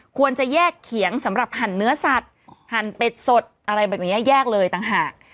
ควรจะแยกเขียงสำหรับหั่นเนื้อสัตว์หั่นเป็ดสดอะไรแบบนี้แยกเลยต่างหาก